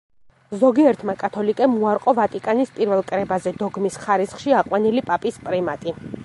ზოგიერთმა კათოლიკემ უარყო ვატიკანის პირველ კრებაზე დოგმის ხარისხში აყვანილი პაპის პრიმატი.